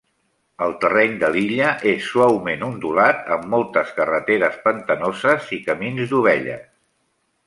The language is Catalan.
El terreny de l'illa és suaument ondulat amb moltes carreteres pantanoses i camins d'ovelles.